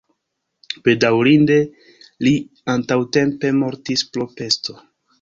Bedaŭrinde li antaŭtempe mortis pro pesto.